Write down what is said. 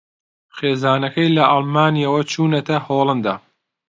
خێزانەکەی لە ئەڵمانیاوە چوونەتە ھۆڵەندا